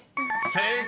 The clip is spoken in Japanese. ［正解。